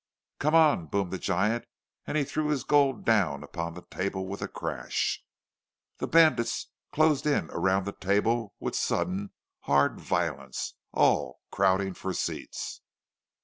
"Come on!" boomed the giant, and he threw his gold down upon the table with a crash. The bandits closed in around the table with sudden, hard violence, all crowding for seats.